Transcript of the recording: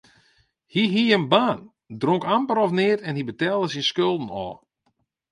Hy hie in baan, dronk amper of neat en hy betelle syn skulden ôf.